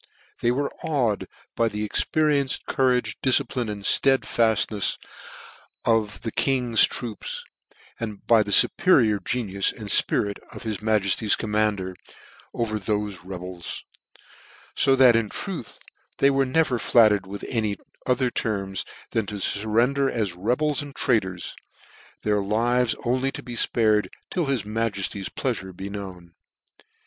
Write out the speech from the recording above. They were awed by the experienced courage, difcipline, and fteadinefs of the King's troops, and by the fuperior genius and fpiritqf his Majetly's commanders, over thofe of the rebels: fo that in truth, they were never flattered with any other terms, than to furrender as rebels and trai tors j their lives only to be fpared till his Majefly's pleafure Ihould be known.